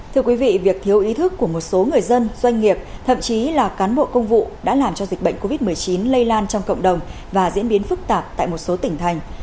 thưa quý vị việc thiếu ý thức của một số người dân doanh nghiệp thậm chí là cán bộ công vụ đã làm cho dịch bệnh covid một mươi chín lây lan trong cộng đồng và diễn biến phức tạp tại một số tỉnh thành